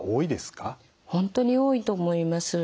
本当に多いと思います。